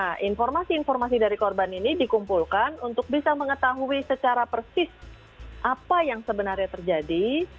nah informasi informasi dari korban ini dikumpulkan untuk bisa mengetahui secara persis apa yang sebenarnya terjadi